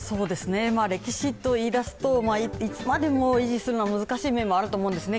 歴史といいだすといつまでも維持するのは難しい面があると思うんですね